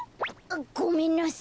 ごめんなさい。